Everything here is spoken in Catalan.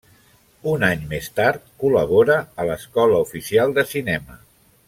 Un any més tard col·labora a l'Escola Oficial de Cinema.